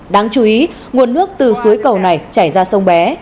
đáng chú ý nguồn nước từ suối cầu này chảy ra sông bé